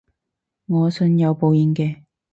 我信有報應嘅